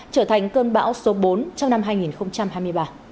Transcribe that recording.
trở thành cơn bão số bốn trong năm hai nghìn hai mươi ba